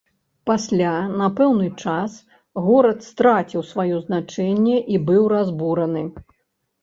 Пасля, на пэўны час, горад страціў сваё значэнне і быў разбураны.